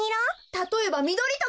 たとえばみどりとか。